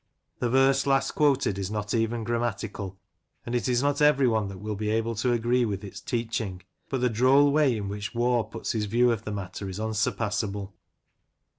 The verse last quoted is not even grammatical, and it is not every one that will be able to agree with its teaching, but the droll way in which Waugh puts his view of the matter is unsurpassable.